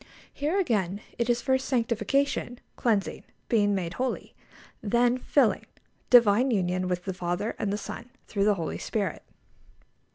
Here, again, it is first sanctification (cleansing, being made holy), then filling, divine union with the Father and the Son through the Holy Spirit.